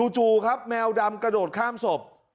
จู่ครับแมวดำกระโดดข้ามศพ